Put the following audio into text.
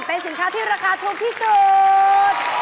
เป็นสินค้าที่ราคาถูกที่สุด